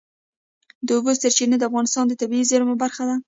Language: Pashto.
د اوبو سرچینې د افغانستان د طبیعي زیرمو برخه ده.